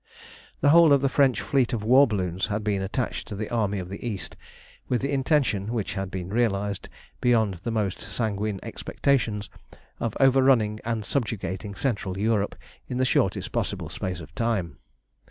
The whole of the French fleet of war balloons had been attached to the Army of the East with the intention, which had been realised beyond the most sanguine expectations, of overrunning and subjugating Central Europe in the shortest possible space of time.